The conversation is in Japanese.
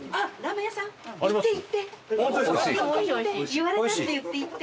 「言われた」って言って行って！